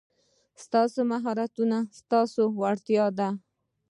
ستاسو مهارت ستاسو وړتیا ده.